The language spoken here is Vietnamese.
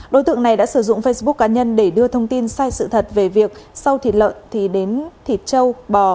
đối tượng này đã sử dụng facebook cá nhân để đưa thông tin sai sự thật về việc sau thịt lợn thì đến thịt châu bò